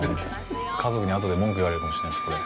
家族にあとで文句を言われるかもしれないです、これ。